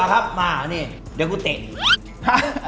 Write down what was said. เจ้ากุเตะ